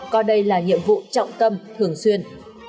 có đây là nhiệm vụ trọng tâm thường xuyên